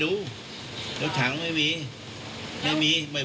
ได้ทั้งจีนซื้อจีนไปแล้ว